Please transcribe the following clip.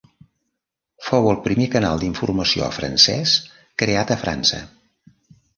Fou el primer canal d'informació francès creat a França.